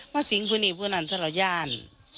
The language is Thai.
ก็สิงห์ผู้นี่ผู้นนั้นสลาย่าน